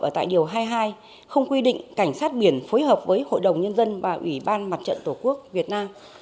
ở tại điều hai mươi hai không quy định cảnh sát biển phối hợp với hội đồng nhân dân và ủy ban mặt trận tổ quốc việt nam